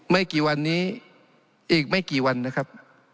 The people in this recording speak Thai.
ไม่กี่วันนี้อีกไม่กี่วันนะครับ